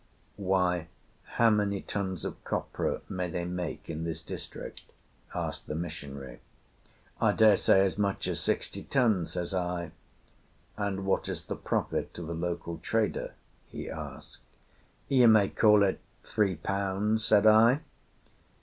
"Why, how many tons of copra may they make in this district?" asked the missionary. "I daresay as much as sixty tons," says I. "And what is the profit to the local trader?" he asked. "You may call it, three pounds," said I.